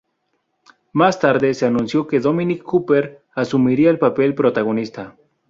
Más tarde, se anunció que Dominic Cooper asumiría el papel protagonista.